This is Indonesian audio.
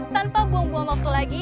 tanpa buang buang waktu lagi